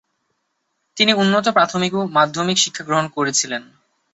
তিনি উন্নত প্রাথমিক ও মাধ্যমিক শিক্ষা গ্রহণ করেছিলেন।